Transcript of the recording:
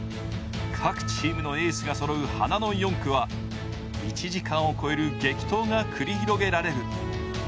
各チームのエースが揃う花の４区は１時間を越える激闘を繰り広げる。